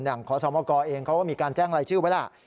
ขอสมกเองเขาก็มีการแจ้งรายชื่อไว้ล่ะ